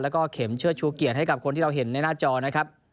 แล้วก็เข็มเชิดชูเกียรติให้กับคนที่เราเห็นในหน้าจอนะครับ